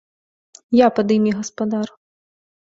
Я пад імі гаспадар!